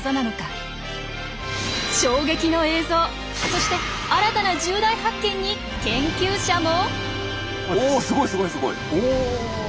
衝撃の映像そして新たな重大発見に研究者も。